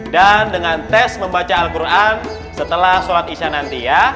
dan dengan tes membaca al quran setelah surat isya nanti ya